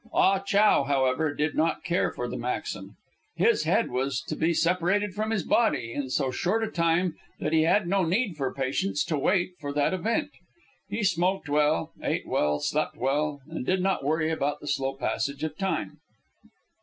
Ah Chow, however, did not care for the maxim. His head was to be separated from his body in so short a time that he had no need for patience to wait for that event. He smoked well, ate well, slept well, and did not worry about the slow passage of time.